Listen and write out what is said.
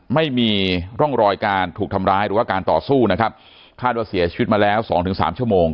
ไม่มีร่องรอยการถูกทำร้ายหรือว่าการต่อสู้นะครับคาดว่าเสียชีวิตมาแล้วสองถึงสามชั่วโมง